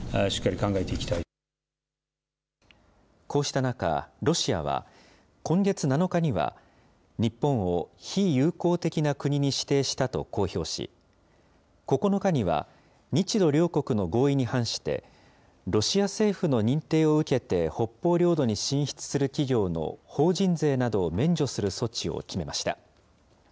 こうした中、ロシアは、今月７日には、日本を非友好的な国に指定したと公表し、９日には日ロ両国の合意に反して、ロシア政府の認定を受けて北方領土に進出する企業の法人税などを免除する措置を決めました。